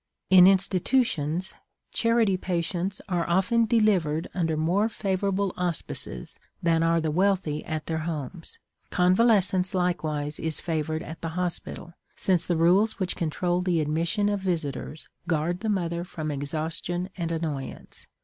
In institutions charity patients are often delivered under more favorable auspices than are the wealthy at their homes. Convalescence likewise is favored at the hospital, since the rules which control the admission of visitors guard the mother from exhaustion and annoyance.